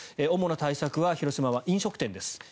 主な対策は広島は飲食店です。